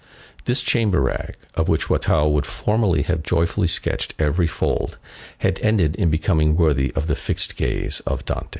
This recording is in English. This chamber rag, of which Watteau would formerly have joyfully sketched every fold, had ended in becoming worthy of the fixed gaze of Dante.